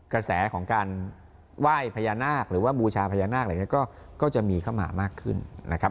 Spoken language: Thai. กระแสของการไหว้พญานาคหรือว่าบูชาพญานาคอะไรอย่างนี้ก็จะมีเข้ามามากขึ้นนะครับ